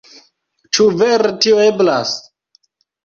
Ĉu vere tio eblas?